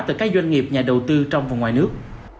từ các doanh nghiệp nhà đầu tư trong và ngoài nước